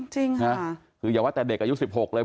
จริงค่ะคืออย่าว่าแต่เด็กอายุ๑๖เลย